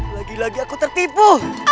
lagi lagi aku tertipu